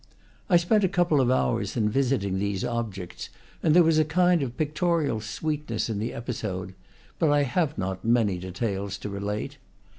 I spent a couple of hours in visiting these objects, and there was a kind of pictorial sweetness in the episode; but I have not many details to relate.